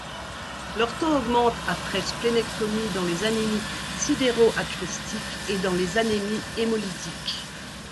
Leur taux augmente après splénectomie, dans les anémies sidéroachrestiques et dans les anémies hémolytiques.